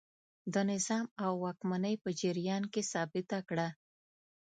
د نظام او واکمنۍ په جریان کې ثابته کړه.